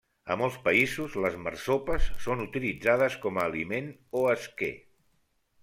A molts països, les marsopes són utilitzades com a aliment o esquer.